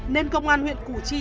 nên công an huyện củ chi